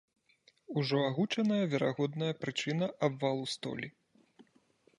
Ужо агучаная верагодная прычына абвалу столі.